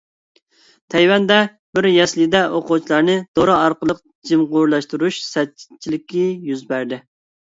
تەيۋەندە بىر يەسلىدە ئوقۇغۇچىلارنى دورا ئارقىلىق جىمىغۇرلاشتۇرۇش سەتچىلىكى يۈز بەردى.